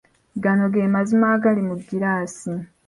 Gano gemazima agali mu giraasi.